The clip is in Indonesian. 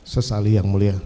sesali yang mulia